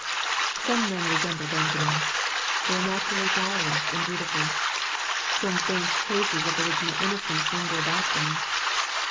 Some men resemble Benjamin. They are naturally guile less and beautiful. Some faint traces of original innocence linger about them.